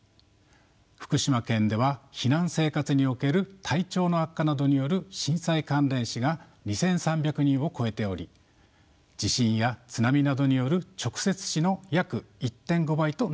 福島県では避難生活における体調の悪化などによる震災関連死が２，３００人を超えており地震や津波などによる直接死の約１．５倍となっています。